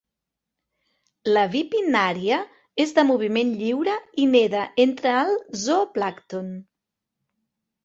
La bipinnària és de moviment lliure i neda entre el zooplàncton.